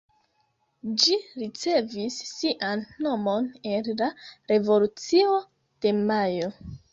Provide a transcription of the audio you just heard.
Ĝi ricevis sian nomon el la Revolucio de Majo.